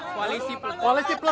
koalisi baik baik saja